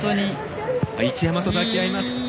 一山と抱き合います。